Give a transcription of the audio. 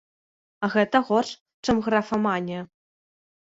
А гэта горш, чым графаманія.